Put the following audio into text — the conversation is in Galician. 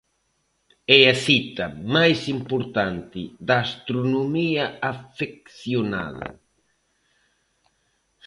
É a cita máis importante da astronomía afeccionada.